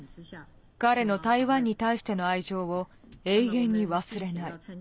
彼の台湾に対しての愛情を永遠に忘れない。